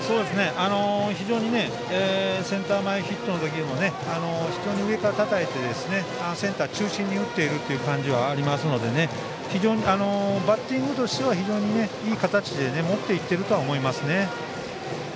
非常にセンター前ヒットの時も上からたたいてセンター中心に打っているという感じはありますのでバッティングとしては、いい形で持っていっているとは思いますね。